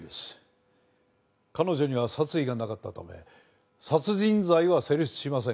彼女には殺意がなかったため殺人罪は成立しません。